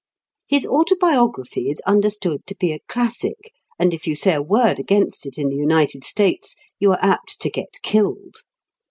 His Autobiography is understood to be a classic, and if you say a word against it in the United States you are apt to get killed.